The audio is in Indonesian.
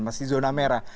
masih zona merah